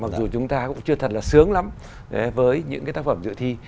mặc dù chúng ta cũng chưa thật là sướng lắm với những cái tác phẩm dự thi